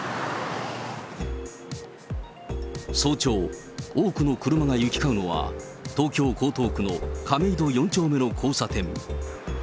早朝、多くの車が行き交うのは、東京・江東区の亀戸４丁目の交差点。